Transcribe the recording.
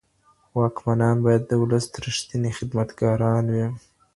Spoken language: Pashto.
واکمنان بايد د ولس ريښتني خدمتګاران وي.